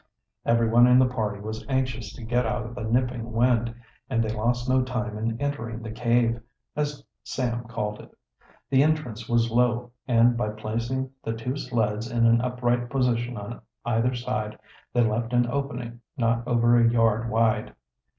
Everyone in the party was anxious to get out of the nipping wind, and they lost no time in entering the "cave," as Sam called it. The entrance was low, and by placing the two sleds in an upright position on either side they left an opening not over a yard wide.